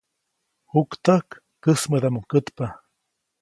Juktäjk käjsmädaʼmuŋ kätpa.